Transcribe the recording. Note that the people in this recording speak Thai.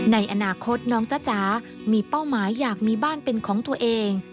ในอนาคตน้องจ๊ะจ๋ามีเป้าหมายอยากมีบ้านเป็นของตัวเอง